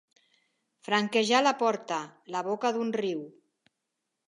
Franquejar la porta, la boca d'un riu.